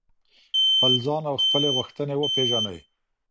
خپل ځان او خپلي غوښتنې وپیژنئ.